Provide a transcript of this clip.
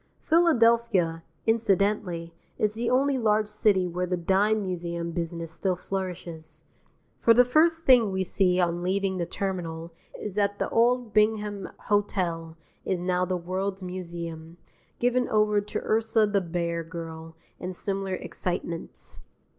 Philadelphia, incidentally, is the only large city where the Dime Museum business still flourishes. For the first thing we see on leaving the Terminal is that the old Bingham Hotel is now The World's Museum, given over to Ursa the Bear Girl and similar excitements.